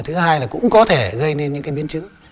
thứ hai là cũng có thể gây nên những cái biến chứng